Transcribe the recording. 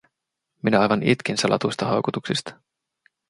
Minä aivan itkin salatuista haukotuksista.